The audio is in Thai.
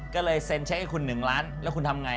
ก็เลยเซ็นเช็คให้คุณ๑ล้านแล้วคุณทำไง